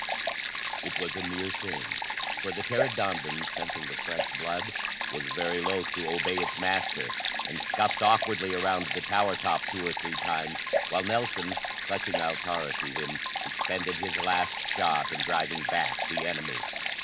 It was a near thing, for the pteranodon, scenting the fresh blood, was very loath to obey its master, and scuffed awkwardly around the tower top two or three times, while Nelson, clutching Altara to him, expended his last shot in driving back the enemy.